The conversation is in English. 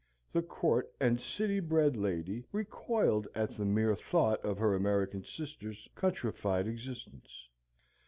The court and city bred lady recoiled at the mere thought of her American sister's countrified existence.